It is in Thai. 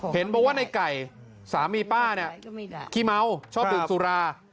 เห็นบอกว่าในไก่สามีป้าเนี่ยขี้เมาชอบดื่มสุรา